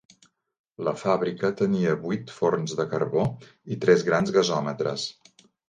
La fàbrica tenia vuit forns de carbó i tres grans gasòmetres.